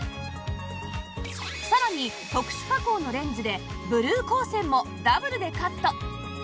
さらに特殊加工のレンズでブルー光線もダブルでカット